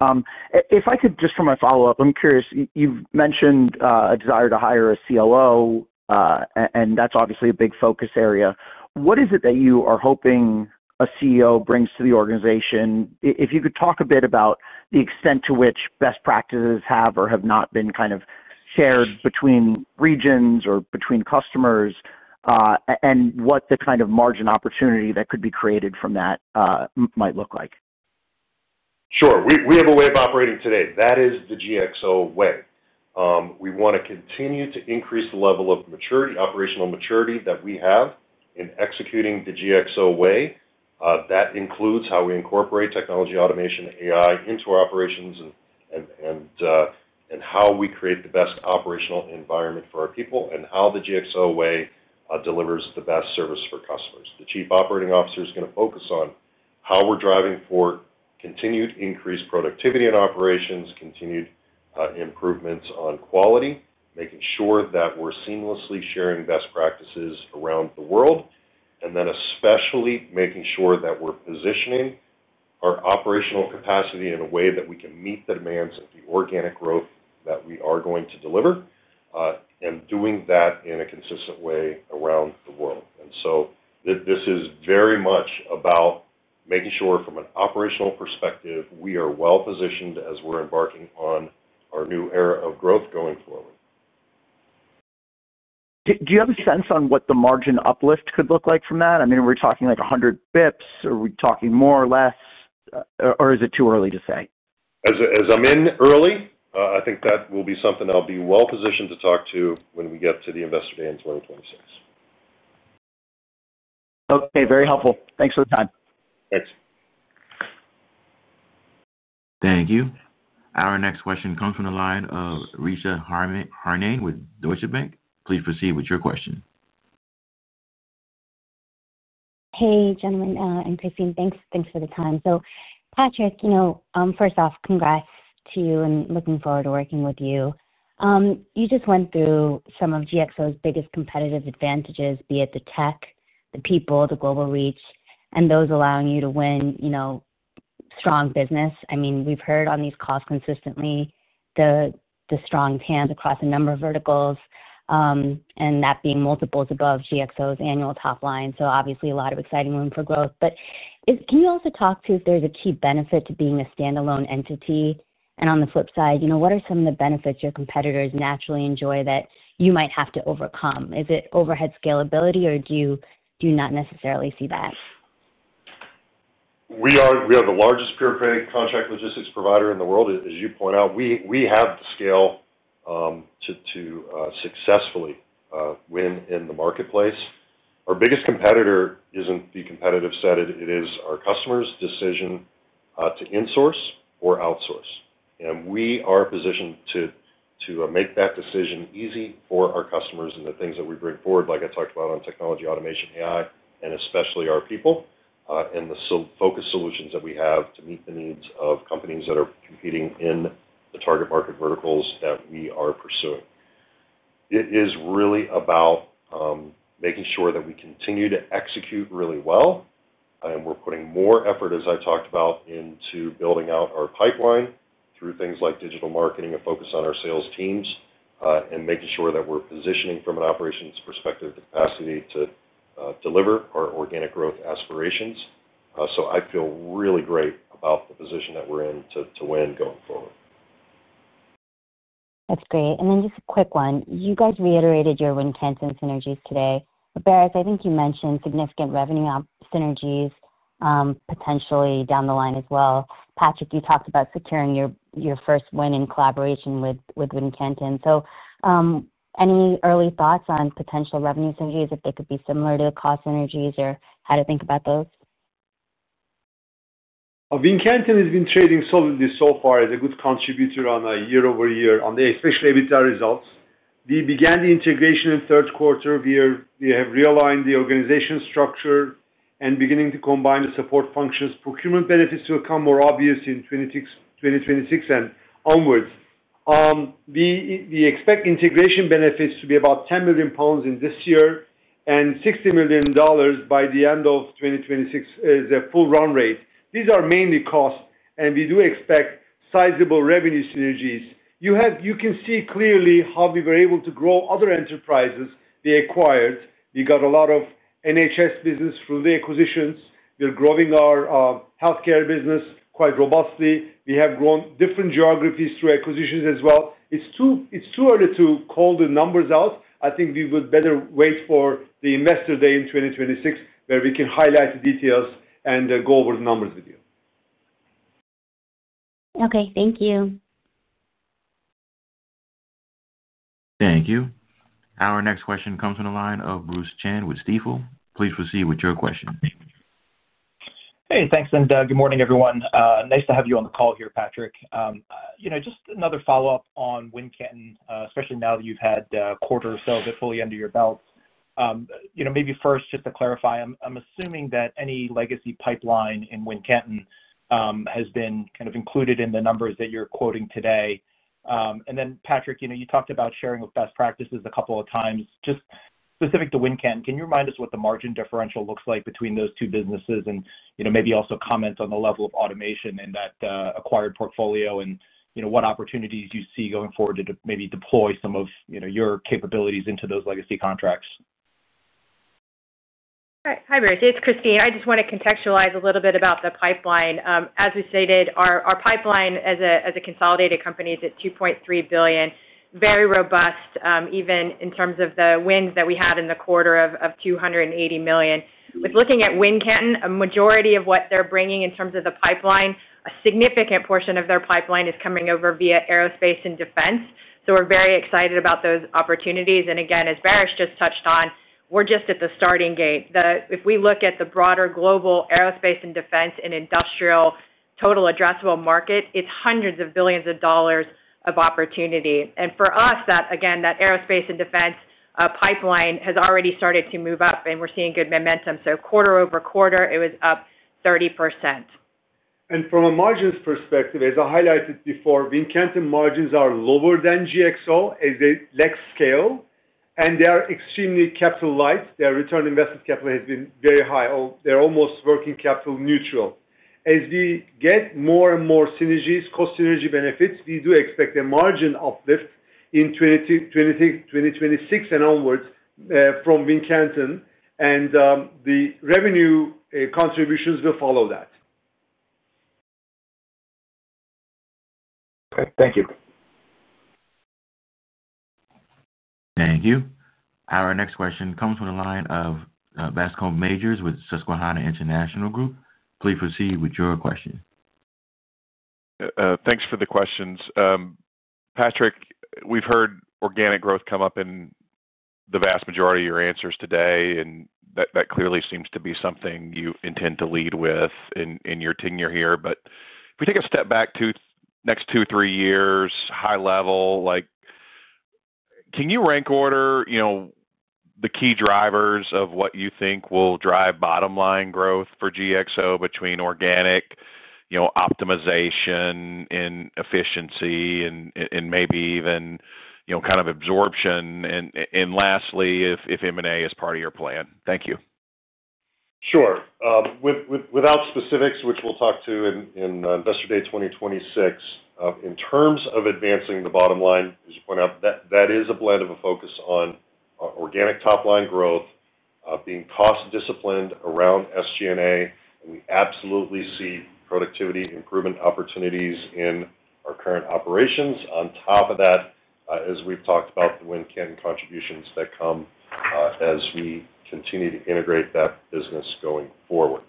If I could, just for my follow-up, I'm curious, you've mentioned a desire to hire a COO. That's obviously a big focus area. What is it that you are hoping a COO brings to the organization? If you could talk a bit about the extent to which best practices have or have not been kind of shared between regions or between customers, and what the kind of margin opportunity that could be created from that might look like. Sure. We have a way of operating today. That is the GXO way. We want to continue to increase the level of maturity, operational maturity that we have in executing the GXO way. That includes how we incorporate technology, automation, AI into our operations and how we create the best operational environment for our people and how the GXO way delivers the best service for customers. The Chief Operating Officer is going to focus on how we're driving for continued increased productivity in operations, continued improvements on quality, making sure that we're seamlessly sharing best practices around the world, and then especially making sure that we're positioning our operational capacity in a way that we can meet the demands of the organic growth that we are going to deliver. Doing that in a consistent way around the world. This is very much about making sure, from an operational perspective, we are well positioned as we're embarking on our new era of growth going forward. Do you have a sense on what the margin uplift could look like from that? I mean, are we talking like 100 basis points? Are we talking more or less? Or is it too early to say? As I'm in early, I think that will be something I'll be well positioned to talk to when we get to the Investor Day in 2026. Okay. Very helpful. Thanks for the time. Thanks. Thank you. Our next question comes from the line of Richa Harnain with Deutsche Bank. Please proceed with your question. Hey, gentlemen. I'm Kristine. Thanks for the time. So Patrick, first off, congrats to you and looking forward to working with you. You just went through some of GXO's biggest competitive advantages, be it the tech, the people, the global reach, and those allowing you to win. Strong business. I mean, we've heard on these calls consistently the strong TAMs across a number of verticals. And that being multiples above GXO's annual top line. Obviously, a lot of exciting room for growth. Can you also talk to if there's a key benefit to being a standalone entity? On the flip side, what are some of the benefits your competitors naturally enjoy that you might have to overcome? Is it overhead scalability, or do you not necessarily see that? We are the largest pure-play contract logistics provider in the world. As you point out, we have the scale to successfully win in the marketplace. Our biggest competitor is not the competitive set; it is our customers' decision to insource or outsource. We are positioned to make that decision easy for our customers and the things that we bring forward, like I talked about on technology, automation, AI, and especially our people, and the focus solutions that we have to meet the needs of companies that are competing in the target market verticals that we are pursuing. It is really about making sure that we continue to execute really well. We're putting more effort, as I talked about, into building out our pipeline through things like digital marketing and focus on our sales teams and making sure that we're positioning from an operations perspective the capacity to deliver our organic growth aspirations. I feel really great about the position that we're in to win going forward. That's great. And then just a quick one. You guys reiterated your Wincanton synergies today. But Baris, I think you mentioned significant revenue synergies. Potentially down the line as well. Patrick, you talked about securing your first win in collaboration with Wincanton. Any early thoughts on potential revenue synergies, if they could be similar to the cost synergies or how to think about those? Wincanton has been trading solidly so far, is a good contributor on a year-over-year, especially EBITDA results. We began the integration in third quarter of the year. We have realigned the organization structure and beginning to combine the support functions. Procurement benefits will become more obvious in 2026 and onwards. We expect integration benefits to be about 10 million pounds in this year and $60 million by the end of 2026 as a full run rate. These are mainly costs, and we do expect sizable revenue synergies. You can see clearly how we were able to grow other enterprises we acquired. We got a lot of NHS business through the acquisitions. We're growing our healthcare business quite robustly. We have grown different geographies through acquisitions as well. It's too early to call the numbers out. I think we would better wait for the Investor Day in 2026 where we can highlight the details and go over the numbers with you. Okay. Thank you. Thank you. Our next question comes from the line of Bruce Chan with Stifel. Please proceed with your question. Hey, thanks. And good morning, everyone. Nice to have you on the call here, Patrick. Just another follow-up on Wincanton, especially now that you've had a quarter or so of it fully under your belt. Maybe first, just to clarify, I'm assuming that any legacy pipeline in Wincanton has been kind of included in the numbers that you're quoting today. And then, Patrick, you talked about sharing with best practices a couple of times. Just specific to Wincanton, can you remind us what the margin differential looks like between those two businesses and maybe also comment on the level of automation in that acquired portfolio and what opportunities you see going forward to maybe deploy some of your capabilities into those legacy contracts? Hi, Bruce. It's Kristine. I just want to contextualize a little bit about the pipeline. As we stated, our pipeline as a consolidated company is at $2.3 billion, very robust even in terms of the wins that we had in the quarter of $280 million. With looking at Wincanton, a majority of what they're bringing in terms of the pipeline, a significant portion of their pipeline is coming over via aerospace and defense. We are very excited about those opportunities. Again, as Baris just touched on, we're just at the starting gate. If we look at the broader global aerospace and defense and industrial total addressable market, it's hundreds of billions of dollars of opportunity. For us, again, that aerospace and defense pipeline has already started to move up, and we're seeing good momentum. Quarter over quarter, it was up 30%. From a margins perspective, as I highlighted before, Wincanton margins are lower than GXO as they lack scale, and they are extremely capital light. Their return on invested capital has been very high. They are almost working capital neutral. As we get more and more synergies, cost synergy benefits, we do expect a margin uplift in 2026 and onwards from Wincanton, and the revenue contributions will follow that. Okay. Thank you. Thank you. Our next question comes from the line of Bascome Majors with Susquehanna International Group. Please proceed with your question. Thanks for the questions. Patrick, we've heard organic growth come up in the vast majority of your answers today, and that clearly seems to be something you intend to lead with in your tenure here. If we take a step back to the next two, three years, high level, like. Can you rank order the key drivers of what you think will drive bottom line growth for GXO between organic optimization and efficiency and maybe even kind of absorption? Lastly, if M&A is part of your plan. Thank you. Sure. Without specifics, which we will talk to in Investor Day 2026, in terms of advancing the bottom line, as you point out, that is a blend of a focus on organic top line growth, being cost disciplined around SG&A, and we absolutely see productivity improvement opportunities in our current operations. On top of that, as we have talked about, the Wincanton contributions that come as we continue to integrate that business going forward.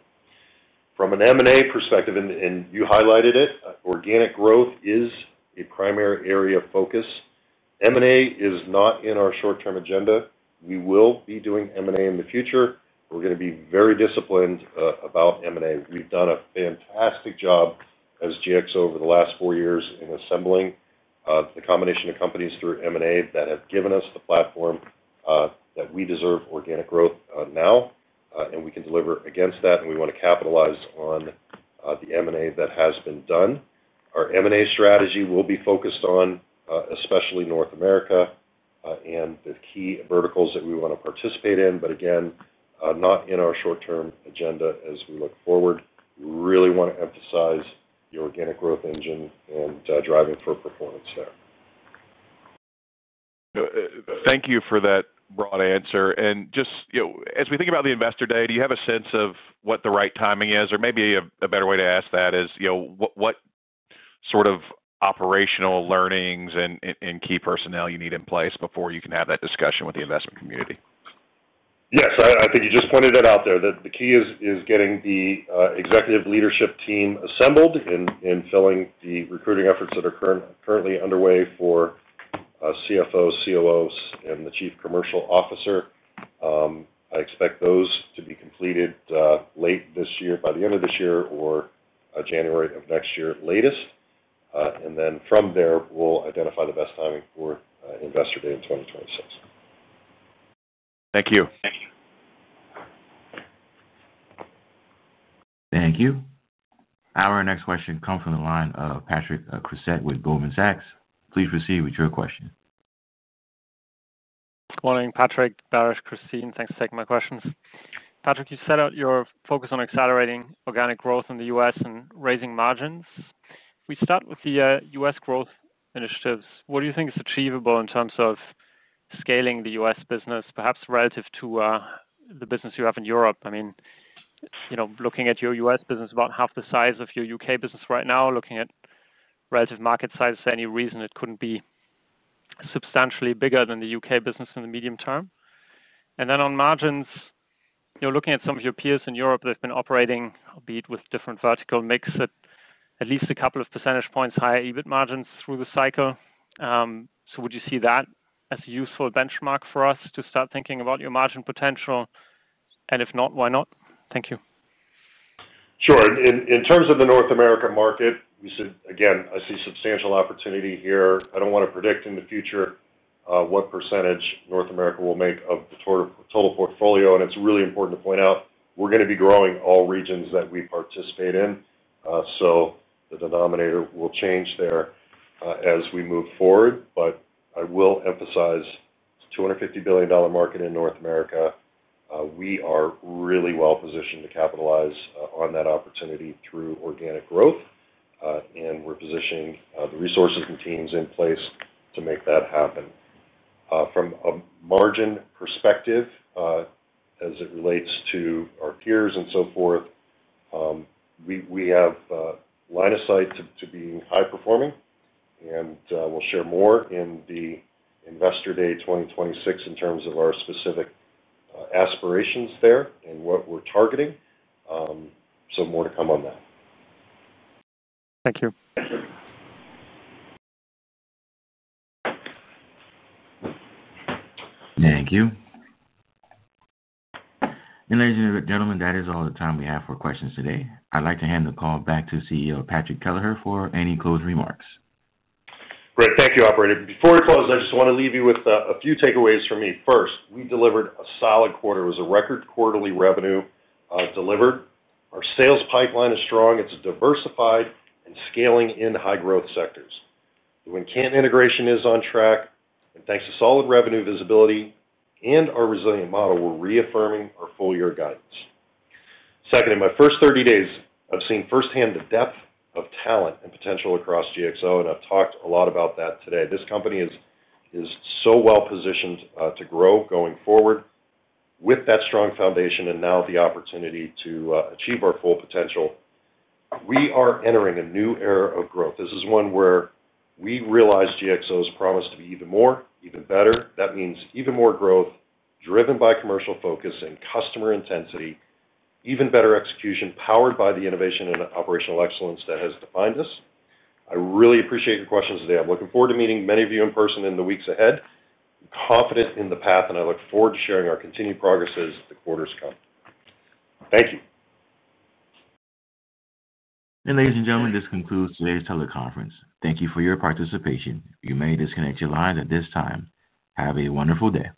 From an M&A perspective, and you highlighted it, organic growth is a primary area of focus. M&A is not in our short-term agenda. We will be doing M&A in the future. We are going to be very disciplined about M&A. We have done a fantastic job as GXO over the last four years in assembling the combination of companies through M&A that have given us the platform. That we deserve organic growth now, and we can deliver against that, and we want to capitalize on the M&A that has been done. Our M&A strategy will be focused on especially North America and the key verticals that we want to participate in, but again, not in our short-term agenda as we look forward. We really want to emphasize the organic growth engine and driving for performance there. Thank you for that broad answer. Just as we think about the Investor Day, do you have a sense of what the right timing is? Maybe a better way to ask that is what sort of operational learnings and key personnel you need in place before you can have that discussion with the investment community? Yes. I think you just pointed it out there. The key is getting the executive leadership team assembled and filling the recruiting efforts that are currently underway for CFOs, COOs, and the Chief Commercial Officer. I expect those to be completed late this year, by the end of this year or January of next year latest. From there, we'll identify the best timing for Investor Day in 2026. Thank you. Thank you. Our next question comes from the line of Patrick Creuset with Goldman Sachs. Please proceed with your question. Morning, Patrick. Baris, Kristine. Thanks for taking my questions. Patrick, you set out your focus on accelerating organic growth in the U.S. and raising margins. We start with the U.S. growth initiatives. What do you think is achievable in terms of scaling the U.S. business, perhaps relative to the business you have in Europe? I mean, looking at your U.S. business, about half the size of your U.K. business right now, looking at relative market size. Any reason it could not be substantially bigger than the U.K. business in the medium term? And then on margins, you are looking at some of your peers in Europe. They have been operating, albeit with different vertical mix, at at least a couple of percentage points higher EBIT margins through the cycle. Would you see that as a useful benchmark for us to start thinking about your margin potential? If not, why not? Thank you. Sure. In terms of the North America market, you said, again, I see substantial opportunity here. I do not want to predict in the future what percentage North America will make of the total portfolio. It is really important to point out we are going to be growing all regions that we participate in, so the denominator will change there as we move forward. I will emphasize the $250 billion market in North America. We are really well positioned to capitalize on that opportunity through organic growth, and we are positioning the resources and teams in place to make that happen. From a margin perspective, as it relates to our peers and so forth, we have line of sight to being high-performing, and we will share more in the Investor Day 2026 in terms of our specific aspirations there and what we are targeting. More to come on that. Thank you. Thank you. Ladies and gentlemen, that is all the time we have for questions today. I'd like to hand the call back to CEO Patrick Kelleher for any closing remarks. Great. Thank you, operator. Before we close, I just want to leave you with a few takeaways for me. First, we delivered a solid quarter. It was a record quarterly revenue delivered. Our sales pipeline is strong. It's diversified and scaling in high-growth sectors. The Wincanton integration is on track. Thanks to solid revenue visibility and our resilient model, we're reaffirming our full-year guidance. Second, in my first 30 days, I've seen firsthand the depth of talent and potential across GXO, and I've talked a lot about that today. This company is so well positioned to grow going forward. With that strong foundation and now the opportunity to achieve our full potential. We are entering a new era of growth. This is one where we realize GXO's promise to be even more, even better. That means even more growth driven by commercial focus and customer intensity, even better execution powered by the innovation and operational excellence that has defined us. I really appreciate your questions today. I'm looking forward to meeting many of you in person in the weeks ahead. I'm confident in the path, and I look forward to sharing our continued progress as the quarters come. Thank you. Ladies and gentlemen, this concludes today's teleconference. Thank you for your participation. You may disconnect your lines at this time. Have a wonderful day.